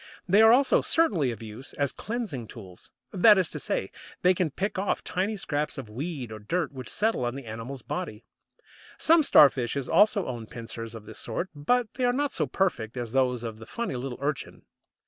They are also certainly of use as cleansing tools. That is to say, they can pick off tiny scraps of weed or dirt which settle on the animal's body. Some Starfishes also own pincers of this sort, but they are not so perfect as those of the funny little Urchin.